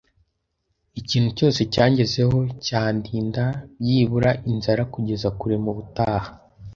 ikintu cyose cyangezeho, cyandinda, byibura, inzara kugeza kure mubutaha